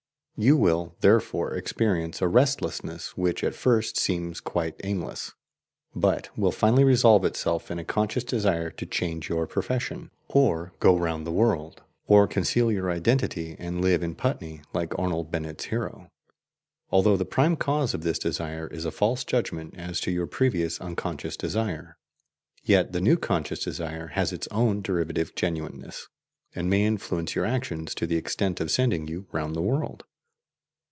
You will therefore experience a restlessness which will at first seem quite aimless, but will finally resolve itself in a conscious desire to change your profession, or go round the world, or conceal your identity and live in Putney, like Arnold Bennett's hero. Although the prime cause of this desire is a false judgment as to your previous unconscious desire, yet the new conscious desire has its own derivative genuineness, and may influence your actions to the extent of sending you round the world.